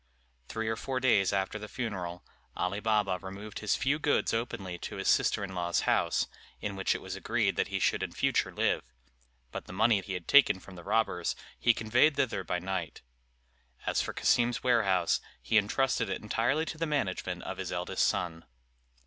Three or four days after the funeral, Ali Baba removed his few goods openly to his sister in law's house, in which it was agreed that he should in future live; but the money he had taken from the robbers he conveyed thither by night. As for Cassim's warehouse, he intrusted it entirely to the management of his eldest son.